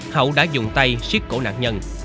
hậu đã dùng tay xiếc cổ nạn nhân